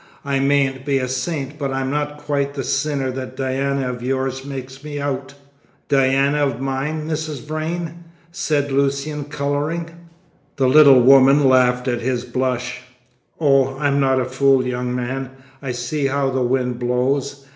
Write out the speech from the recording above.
I mayn't be a saint, but I'm not quite the sinner that Diana of yours makes me out." "Diana of mine, Mrs. Vrain?" said Lucian, colouring. The little woman laughed at his blush. "Oh, I'm not a fool, young man. I see how the wind blows!"